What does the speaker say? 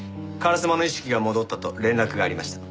烏丸の意識が戻ったと連絡がありました。